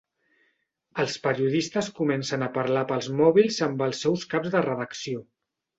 Els periodistes comencen a parlar pels mòbils amb els seus caps de redacció.